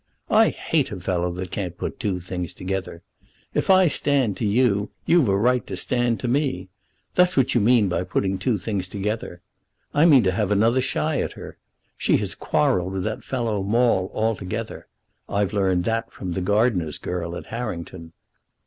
"I hate a fellow that can't put two things together. If I stand to you you've a right to stand to me. That's what you mean by putting two things together. I mean to have another shy at her. She has quarrelled with that fellow Maule altogether. I've learned that from the gardener's girl at Harrington."